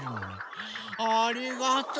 ありがとう。